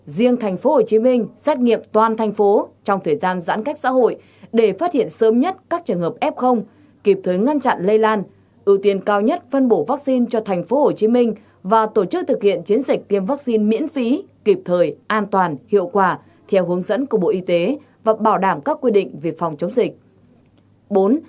bốn riêng thành phố hồ chí minh xét nghiệm toàn thành phố trong thời gian giãn cách xã hội để phát hiện sớm nhất các trường hợp f kịp thời ngăn chặn lây lan ưu tiên cao nhất phân bổ vaccine cho thành phố hồ chí minh và tổ chức thực hiện chiến dịch tiêm vaccine miễn phí kịp thời an toàn hiệu quả theo hướng dẫn của bộ y tế và bảo đảm các quy định về phòng chống dịch